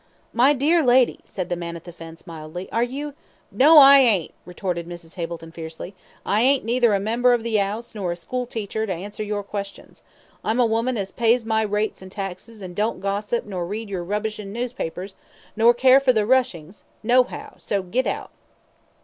"My dear lady," said the man at the fence, mildly, "are you " "No, I ain't," retorted Mrs. Hableton, fiercely, "I ain't neither a member of the 'Ouse, nor a school teacher, to answer your questions. I'm a woman as pays my rates an' taxes, and don't gossip nor read yer rubbishin' newspapers, nor care for the Russings, no how, so git out."